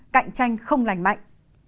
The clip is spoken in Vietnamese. cạnh tranh không lành mạnh